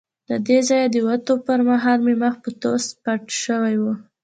له دې ځایه د وتو پر مهال مې مخ په توس پټ شوی وو.